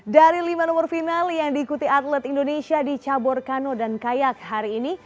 dari lima nomor final yang diikuti atlet indonesia di cabur kano dan kayak hari ini